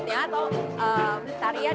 untuk berenang benang bersama teman